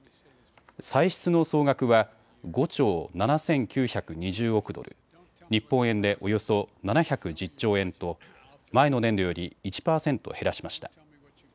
歳出の総額は５兆７９２０億ドル、日本円でおよそ７１０兆円と前の年度より１％減らしました。